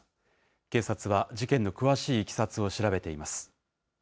警察は事件の詳しいいきさつを調べています。